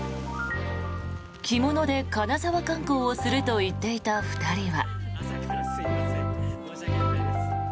着物で金沢観光をするといっていた２人は。